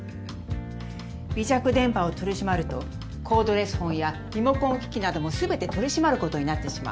微弱電波を取り締まるとコードレスフォンやリモコン機器なども全て取り締まることになってしまうの。